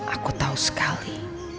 aku tau sekali